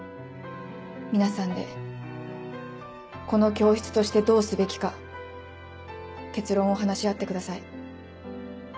皆さんでこの教室としてどうすべきか結論を話し合ってください。